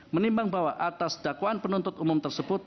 menimbang bahwa atas dakwaan penuntut umum tersebut